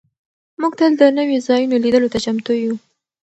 موږ تل د نویو ځایونو لیدلو ته چمتو یو.